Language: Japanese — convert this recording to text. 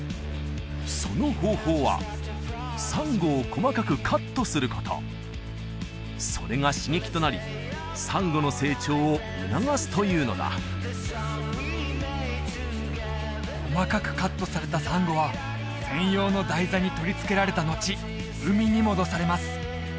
その方法はサンゴを細かくカットすることそれが刺激となりサンゴの成長を促すというのだ細かくカットされたサンゴは専用の台座に取り付けられたのち海に戻されます